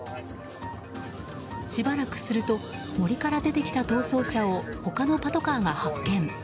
しばらくすると森から出てきた逃走車を他のパトカーが発見。